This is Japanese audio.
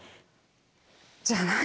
「じゃあ何？」